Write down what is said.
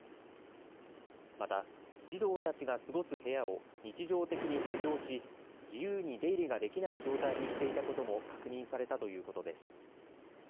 また、児童たちが過ごす部屋を日常的に施錠し自由に出入りができない状態にしていたことも確認されたということです。